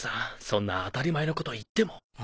そんな当たり前のこと言っても。